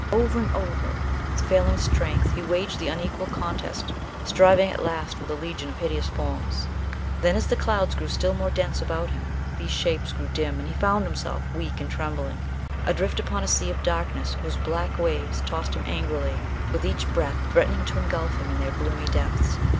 Over and over, with failing strength, he waged the unequal contest, striving at last with a legion of hideous forms. Then, as the clouds grew still more dense about him, these shapes grew dim and he found himself, weak and trembling, adrift upon a sea of darkness whose black waves tossed him angrily, with each breath threatening to engulf him in their gloomy depths.